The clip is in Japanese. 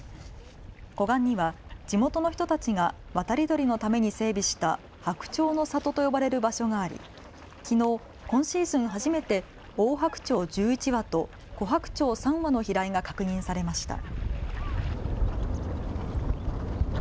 湖岸には地元の人たちが渡り鳥のために整備した白鳥の里と呼ばれる場所がありきのう、今シーズン初めてオオハクチョウ１１羽とコハクチョウ３羽の飛来が確認されました。